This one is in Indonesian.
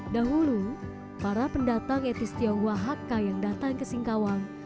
dahulu para pendatang etnis tionghoa hakka yang datang ke singkawang